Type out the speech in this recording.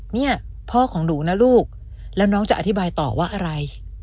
เนี่ยพ่อของหนูนะลูกแล้วน้องจะอธิบายต่อว่าอะไร